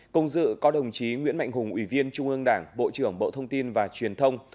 cùng dự có đồng chí nguyễn mạnh hùng ủy viên trung ương đảng bộ trưởng bộ thông tin và truyền thông